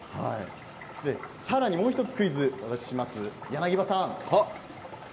さらに、もう１つクイズをお出しします、柳葉さん